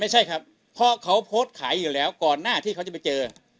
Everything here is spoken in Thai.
ไม่ใช่ครับเพราะเขาโพสต์ขายอยู่แล้วก่อนหน้าที่เขาจะไปเจอ